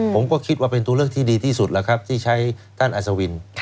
ผมก็คิดว่าเป็นตัวเลือกที่ดีที่สุดแล้วครับที่ใช้ท่านอัศวิน